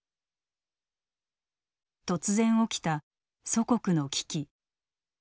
突然起きた祖国の危機。